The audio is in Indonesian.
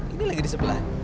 ini lagi di sebelah